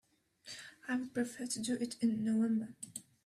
I would prefer to do it in November.